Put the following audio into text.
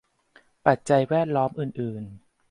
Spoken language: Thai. ปัจจัยแวดล้อมอื่นอื่น